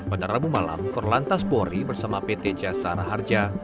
bandara bumalam korlantas puri bersama pt jasa raharja